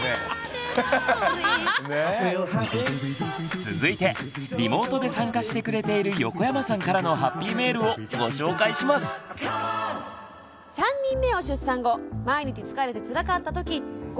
続いてリモートで参加してくれている横山さんからのハッピーメールをご紹介します。ということで。